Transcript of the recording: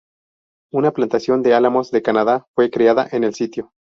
Una plantación de álamos de Canadá fue creada en el sitio.